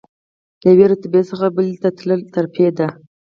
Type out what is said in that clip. له یوې رتبې څخه بلې ته تلل ترفیع ده.